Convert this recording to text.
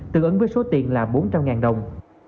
tương ứng với số tiền là bốn trăm linh đồng